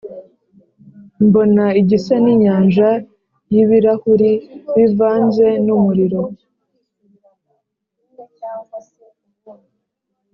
Mbona igisa n’inyanja y’ibirahuri bivanze n’umuriro,